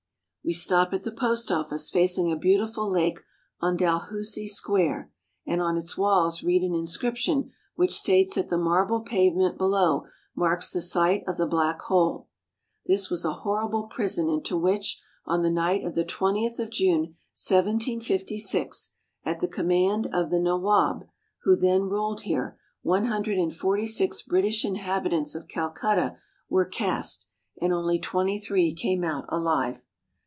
We stop at the Post Office facing a beautiful lake on Dalhousie Square, and on its walls read an inscription which states that the marble pavement below marks the site of the Black Hole. This was a horrible prison into which, on the night of the 20th of June, 1756, at the command of the Nawab (na w6b'), who then ruled here, one hundred and forty six British inhabitants of Calcutta were cast, and only twenty three came out alive.